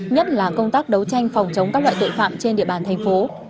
nhất là công tác đấu tranh phòng chống các loại tội phạm trên địa bàn thành phố